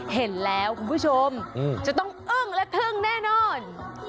เห็นแล้วคุณผู้ชมจะต้องอึ้งและทึ่งแน่นอน